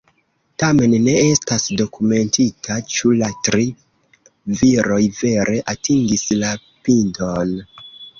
Tamen ne estas dokumentita, ĉu la tri viroj vere atingis la pinton.